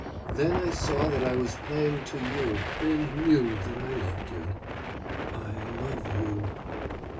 Then I saw that I was playing to you and knew that I loved you. "I love you!